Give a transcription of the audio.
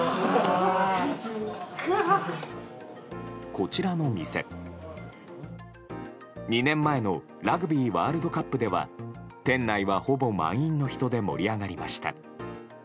こちらの店、２年前のラグビーワールドカップでは店内は、ほぼ満員の人で盛り上がりました。